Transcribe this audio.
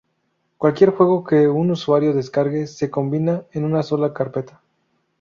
Cualquier juego que un usuario descargue se combina en una sola carpeta.